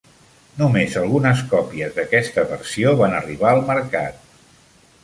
Només algunes còpies d'aquesta versió van arribar al mercat.